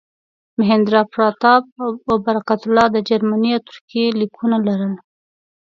مهیندراپراتاپ او برکت الله د جرمني او ترکیې لیکونه لرل.